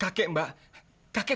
takut mau ngancurin